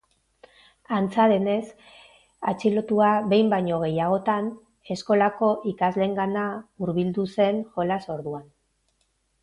Antza denez, atxilotua behin baino gehiagotan eskolako ikasleengana hurbildu zen jolas-orduan.